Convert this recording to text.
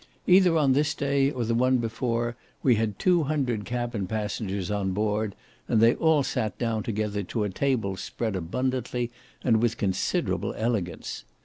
Either on this day, or the one before, we had two hundred cabin passengers on board, and they all sat down together to a table spread abundantly, and with considerable elegance.